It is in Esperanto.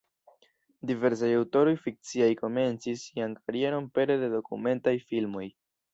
Diversaj aŭtoroj fikciaj komencis sian karieron pere de dokumentaj filmoj.